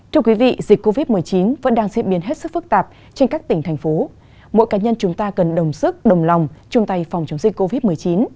thưa quý vị dịch covid một mươi chín vẫn đang diễn biến hết sức phức tạp trên các tỉnh thành phố mỗi cá nhân chúng ta cần đồng sức đồng lòng chung tay phòng chống dịch covid một mươi chín